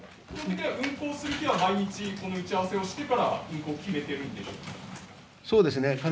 運航する日は毎日この打ち合わせをしてから運航を決めているんですか。